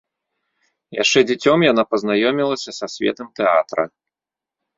Яшчэ дзіцем яна пазнаёмілася са светам тэатра.